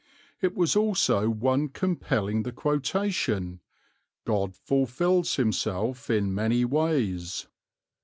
It was also one compelling the quotation, "God fulfils Himself in many ways."